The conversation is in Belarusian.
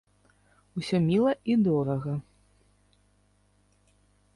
Усё міла й дорага.